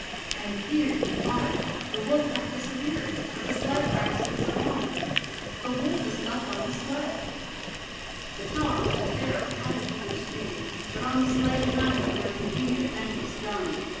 And here what! the Wolf track disappears, but the sled track speeds along. The Wolf has leaped on the sled. The Dogs, in terror, added to their speed; but on the sleigh behind them there is a deed of vengeance done.